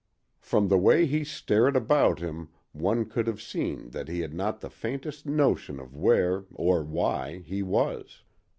From the way he stared about him one could have seen that he had not the faintest notion of where (nor why) he was.